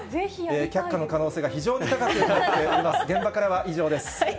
却下の可能性が非常に高くなっております、現場からは以上です。